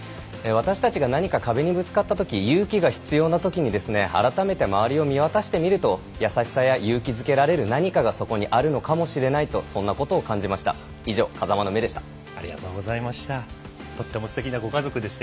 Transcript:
私たちが何か壁にぶつかったとき勇気が必要なときに改めて周りを見渡してみると優しさで勇気づけられる何かがそこにあるのかもしれないとそんなことを感じました。